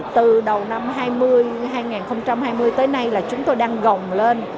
từ đầu năm hai nghìn hai mươi tới nay là chúng tôi đang gồng lên